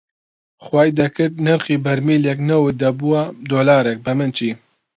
خوای دەکرد نرخی بەرمیلێک نەوت دەبووە دۆلارێک، بەمن چی